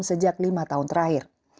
sejak lima tahun terakhir